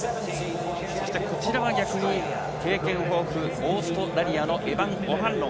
そしてこちらが逆に経験豊富オーストラリアのエバン・オハンロン。